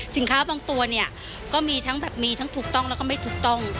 บางตัวเนี่ยก็มีทั้งแบบมีทั้งถูกต้องแล้วก็ไม่ถูกต้อง